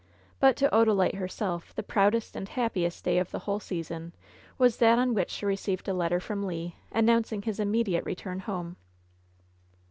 But to Odalite herself the proudest and happiest day of the whole season was that on which she received a letter from Le, announcing his immediate return home.